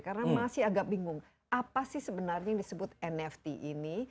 karena masih agak bingung apa sih sebenarnya yang disebut nft ini